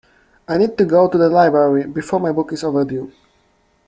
I need to go to the library before my book is overdue.